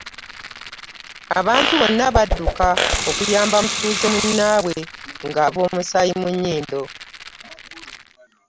Abantu bonna badduka okuyamba mutuuze munnaabwe ng'ava omusaayi mu nnyindo.